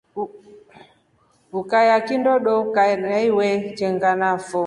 Ukayaa kindo doka ya iwe chenganafo.